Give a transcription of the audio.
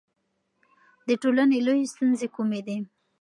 د ټولنې لویې ستونزې کومې دي؟